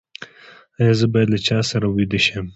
ایا زه باید له چا سره ویده شم؟